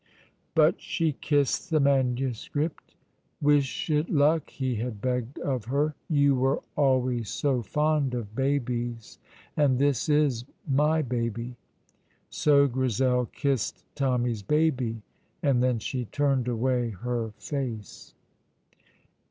But she kissed the manuscript. "Wish it luck," he had begged of her; "you were always so fond of babies, and this is my baby." So Grizel kissed Tommy's baby, and then she turned away her face.